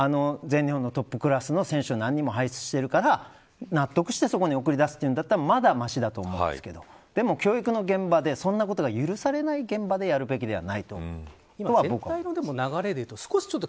ただ、全日本のトップクラスの選手を何人も輩出しているから納得してそこに送り出すというんだったらまだ、ましだと思うんですけどでも教育の現場でそんなことが許されない現場でやるべきではないと。